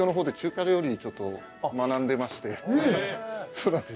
そうなんです。